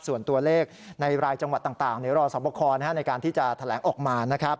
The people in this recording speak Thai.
ส่วนตัวเลขในรายจังหวัดต่างเดี๋ยวรอสอบคอในการที่จะแถลงออกมานะครับ